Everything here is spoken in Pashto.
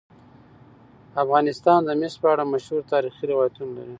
افغانستان د مس په اړه مشهور تاریخی روایتونه لري.